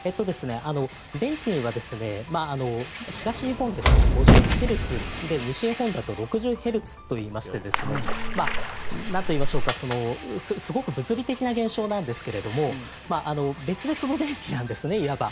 電気には東日本ですと５０ヘルツ西日本だと６０ヘルツといいましてなんといいましょうかすごく物理的な現象なんですけど別々の電気なんですね、いわば。